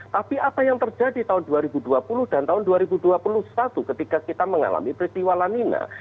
tapi apa yang terjadi tahun dua ribu dua puluh dan tahun dua ribu dua puluh satu ketika kita mengalami peristiwa lanina